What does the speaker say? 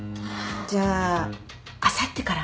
じゃああさってから。